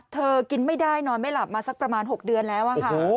กินไม่ได้นอนไม่หลับมาสักประมาณ๖เดือนแล้วค่ะ